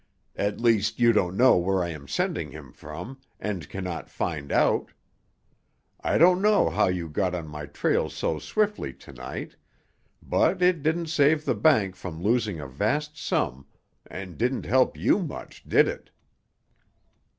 At least, you don't know where I am sending him from, and cannot find out. I don't know how you got on my trail so swiftly to night, but it didn't save the bank from losing a vast sum, and didn't help you much, did it?